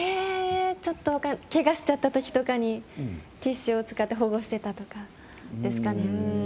けがしちゃった時とかにティッシュを使って保護していたとかですかね。